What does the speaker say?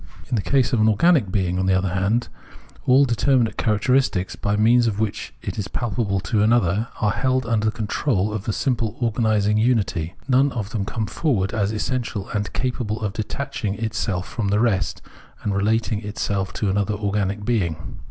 In the case of an organic being, on the other hand, all determinate characteristics, by means of which it is palpable to another, are held under the control of the simple organising unity ; none of them comes forward as essential and capable of detach ing itself from the rest and relating itself to an other organic being.